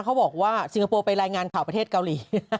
เขาบอกว่าสิงคโปร์ไปรายงานข่าวประเทศเกาหลี